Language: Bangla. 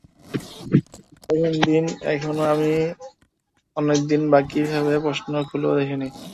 প্রথম তিন দিন এখনো অনেক দিন বাকি ভেবে প্রশ্ন খুলেও দেখিনি।